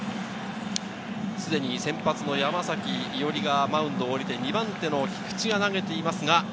すでに先発の山崎伊織がマウンドを降りて２番手の菊地が投げています。